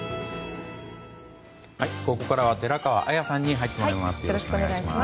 ここからは寺川綾さんに入ってもらいます。